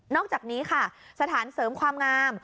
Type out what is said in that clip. อกจากนี้ค่ะสถานเสริมความงาม